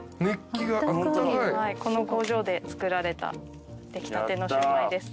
この工場で作られた出来たてのシウマイです。